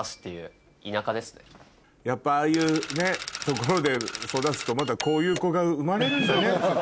やっぱああいう所で育つとこういう子が生まれるんだね。